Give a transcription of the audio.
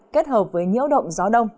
kết hợp với nhiễu động gió đông